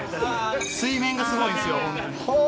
水面がすごいんですよ。